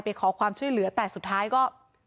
ไปขอความช่วยเหลือแต่สุดท้ายก็